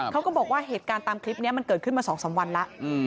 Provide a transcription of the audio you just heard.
เขาก็บอกว่าเหตุการณ์ตามคลิปนี้มันเกิดขึ้นมา๒๓วันแล้ว